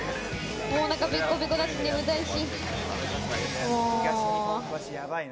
おなかペコペコだし、眠たいし。